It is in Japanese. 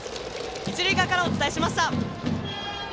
一塁側からお伝えしました。